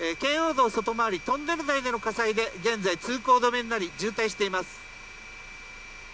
道外回りトンネル内での火災で現在、通行止めになり渋滞しています。